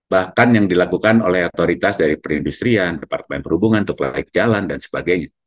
bahkan yang dilakukan oleh otoritas dari perindustrian departemen perhubungan untuk layak jalan dan sebagainya